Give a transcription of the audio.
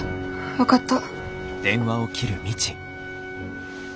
分かった。